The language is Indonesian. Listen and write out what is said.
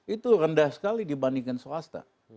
itu rendah sekali dibandingkan swasta